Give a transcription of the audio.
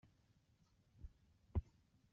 Tanemmirt i leqdic-ik.